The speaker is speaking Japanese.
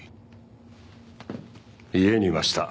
家にいました。